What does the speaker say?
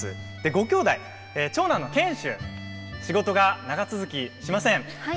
ごきょうだい、長男の賢秀仕事が長続きしません。